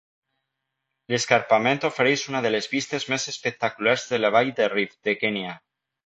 L'escarpament ofereix una de les vistes més espectaculars de la vall del Rift de Kenya.